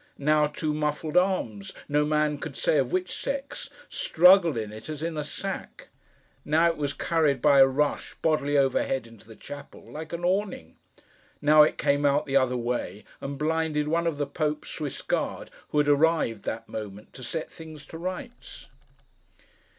Now, two muffled arms, no man could say of which sex, struggled in it as in a sack. Now, it was carried by a rush, bodily overhead into the chapel, like an awning. Now, it came out the other way, and blinded one of the Pope's Swiss Guard, who had arrived, that moment, to set things to rights.